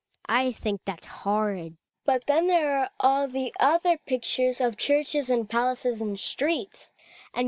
I think that's horrid. But then th^re are all the other pictures of churches and i)ala6es, and streets, and